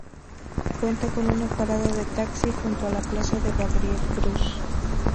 Cuenta con una parada de taxi junto a la plaza de Gabriel Cruz.